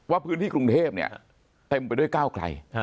พื้นที่กรุงเทพเนี่ยเต็มไปด้วยก้าวไกล